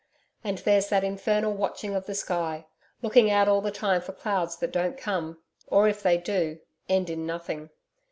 And there's that infernal watching of the sky looking out all the time for clouds that don't come or if they do, end in nothing.